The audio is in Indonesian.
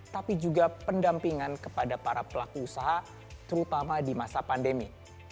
tapi juga pendampingan kepada para pelaku usaha terutama di masa pandemi